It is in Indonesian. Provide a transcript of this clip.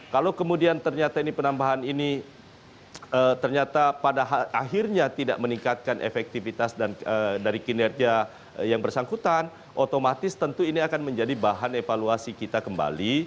kalau kemudian ternyata ini penambahan ini ternyata pada akhirnya tidak meningkatkan efektivitas dan dari kinerja yang bersangkutan otomatis tentu ini akan menjadi bahan evaluasi kita kembali